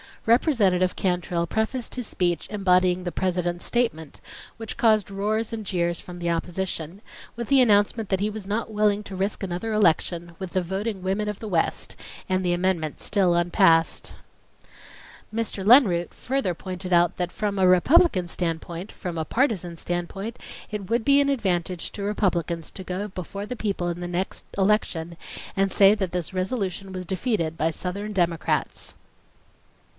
Representative Cantrill prefaced his speech embodying the President's statement, which caused roars and jeers from the opposition, with the announcement that he was not willing to risk another election, with the voting women of the West, and the amendment still unpassed. Mr. Lenroot further pointed out that: "From a Republican standpoint—from a partisan standpoint, it would be an advantage to Republicans to go before the people in the next election and say that this resolution was defeated by southern Democrats."